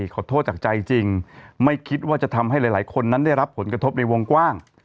ขอโทษจากใจจริงไม่คิดว่าจะทำให้หลายคนนั้นได้รับผลกระทบในวงกว้าง